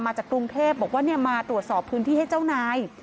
จากกรุงเทพบอกว่ามาตรวจสอบพื้นที่ให้เจ้านาย